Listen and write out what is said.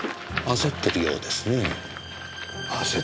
焦ってるようですなあ。